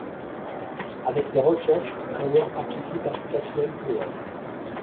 Avec les Rockets, Brewer participe à ses quatrièmes playoffs.